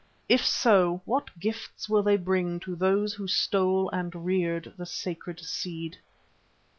If so, what gifts will they bring to those who stole and reared the sacred seed?